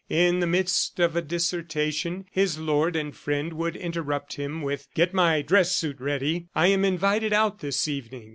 In the midst of a dissertation, his lord and friend would interrupt him with "Get my dress suit ready. I am invited out this evening."